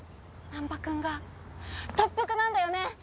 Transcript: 難破君が特服なんだよね？